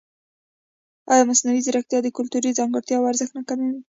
ایا مصنوعي ځیرکتیا د کلتوري ځانګړتیاوو ارزښت نه کموي؟